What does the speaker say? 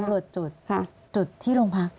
ตรวจจุดจุดที่โรงพัก